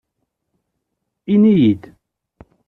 Ini-yi-d.